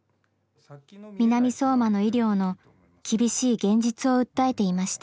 南相馬の医療の厳しい現実を訴えていました。